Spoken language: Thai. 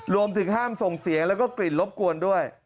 รวมถึงห้ามส่งเสียงแล้วก็กลิ่นรบกวนด้วย